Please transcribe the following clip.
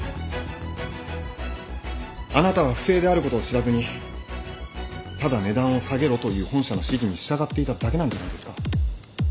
あなたは不正であることを知らずにただ値段を下げろという本社の指示に従っていただけなんじゃないですか？